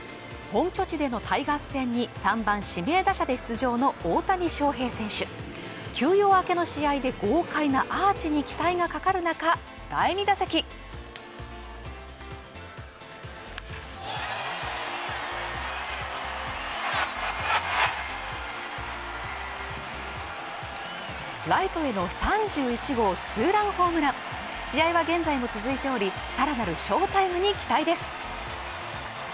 本拠地でのタイガース戦に３番・指名打者で出場の大谷翔平選手休養明けの試合で豪快なアーチに期待がかかる中、第２打席ライトへの３１号ツーランホームラン試合は現在も続いておりさらなる翔タイムに期待です